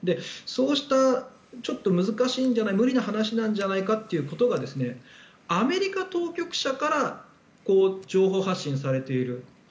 そうしたちょっと難しいんじゃないか無理な話なんじゃないかということがアメリカ当局者から情報発信されている